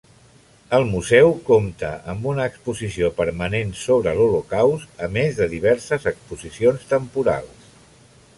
El museu compta amb una exposició permanent sobre l'Holocaust, a més de diverses exposicions temporals.